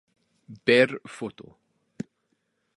Ver foto.